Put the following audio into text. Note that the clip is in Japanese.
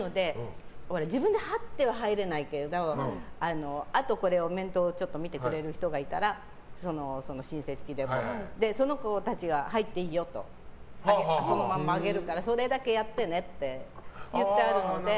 自分で這っては入れないけどもあとこれを面倒見てくれる人がいたらその子たちが入っていいよとこのままあげるからそれだけやってねって言ってあるので。